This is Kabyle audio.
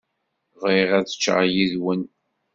Bɣiɣ ad ččeɣ yid-wen.